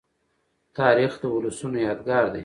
تاریخ د ولسونو یادګار دی.